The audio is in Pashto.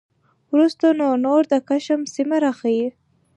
وروسته نو نور د کشم سیمه راخي